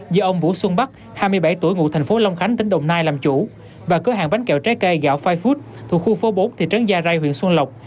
do ông vũ xuân bắc hai mươi bảy tuổi ngụ thành phố long khánh tỉnh đồng nai làm chủ và cửa hàng bánh kẹo trái cây gạo phai food thuộc khu phố bốn thị trấn gia rai huyện xuân lộc